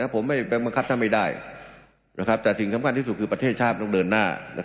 ผมไม่บังคับท่านไม่ได้แต่สิ่งสำคัญที่สุดคือประเทศชาติต้องเดินหน้า